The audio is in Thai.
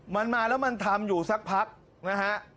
มันมาแล้วมันทำอยู่สักพักนะฮะ